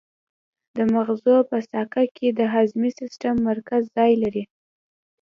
د مغزو په ساقه کې د هضمي سیستم مرکز ځای لري.